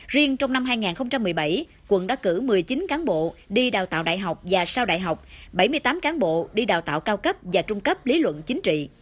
riêng trong năm hai nghìn một mươi bảy quận đã cử một mươi chín cán bộ đi đào tạo đại học và sau đại học bảy mươi tám cán bộ đi đào tạo cao cấp và trung cấp lý luận chính trị